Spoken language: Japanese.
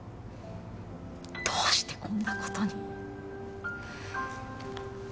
どうしてこんな事に。